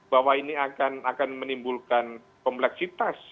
bahwa ini akan menimbulkan kompleksitas